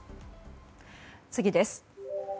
次です。